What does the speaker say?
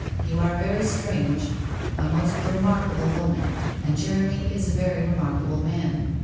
' You are a very strange — a most remarkable woman, and Jeremy is a very remark able man.